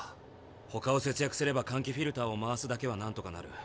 ほかを節約すれば換気フィルターを回すだけはなんとかなる。